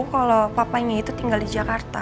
kalau papanya itu tinggal di jakarta